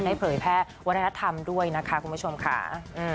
เผยแพร่วัฒนธรรมด้วยนะคะคุณผู้ชมค่ะ